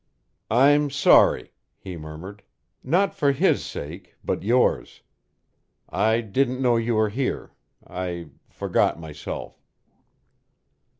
"I'm sorry," he murmured, "not for his sake, but yours. I didn't know you were here. I forgot myself."